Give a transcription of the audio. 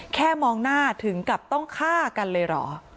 มองหน้าถึงกับต้องฆ่ากันเลยเหรอ